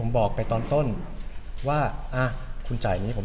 มีทุกอย่างใช่ไหม